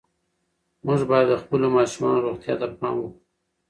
موږ باید د خپلو ماشومانو روغتیا ته پام وکړو.